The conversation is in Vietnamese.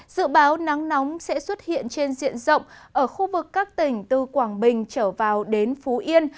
dự báo nắng nóng sẽ xuất hiện trên diện rộng ở khu vực các tỉnh từ quảng bình trở vào đến phú yên